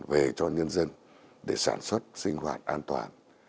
về cho nhân dân để sản xuất sinh hoạt an toàn